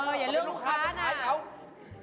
เอออย่าเล่าลูกค้านะอะไรมั้งคะก็ต้องขายเขา